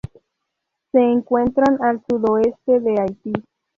Se encuentran al sudoeste de Haití.